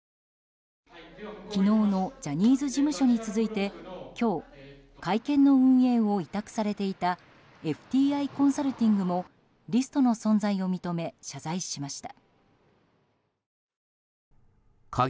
昨日のジャニーズ事務所に続いて今日、会見の運営を委託されていたＦＴＩコンサルティングもリストの存在を認め謝罪しました。